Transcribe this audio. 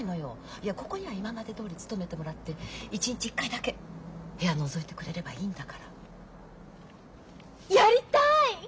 いやここには今までどおり勤めてもらって一日１回だけ部屋のぞいてくれればいいんだから。やりたい！